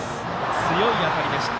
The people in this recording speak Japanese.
強い当たりでした。